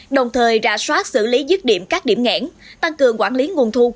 đồng thời rạp soát xử lý dứt điểm các điểm nghẽn tăng cường quản lý nguồn thu